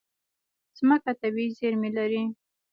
مځکه طبیعي زیرمې لري.